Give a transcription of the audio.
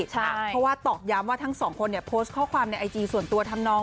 เพราะว่าตอกย้ำว่าทั้งสองคนเนี่ยโพสต์ข้อความในไอจีส่วนตัวทำนอง